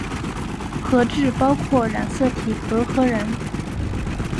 核质包括染色体和核仁。